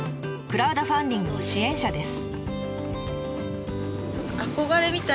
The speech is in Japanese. クラウドファンディングの支援者です。